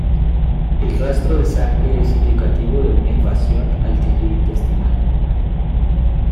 El rastro de sangre es indicativo de una invasión al tejido intestinal.